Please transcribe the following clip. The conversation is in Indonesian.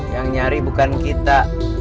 yang nyari bukan kita